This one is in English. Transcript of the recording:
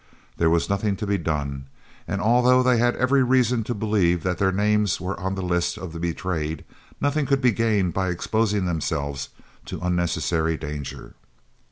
There was nothing to be done, and although they had every reason to believe that their names were on the list of the betrayed, nothing could be gained by exposing themselves to unnecessary danger.